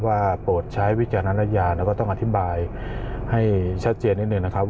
โปรดใช้วิจารณญาณแล้วก็ต้องอธิบายให้ชัดเจนนิดหนึ่งนะครับ